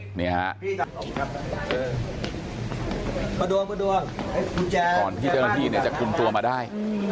พอดวงพอดวงตอนที่เจ้าหน้าที่จะคุมตัวมาได้